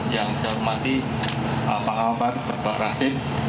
yang saya hormati pak ampar bapak rasin